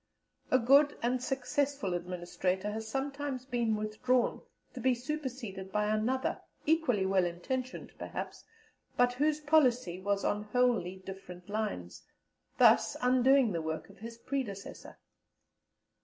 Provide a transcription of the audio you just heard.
A good and successful Administrator has sometimes been withdrawn to be superseded by another, equally well intentioned, perhaps, but whose policy was on wholly different lines, thus undoing the work of his predecessor.